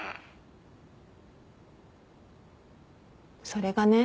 それがね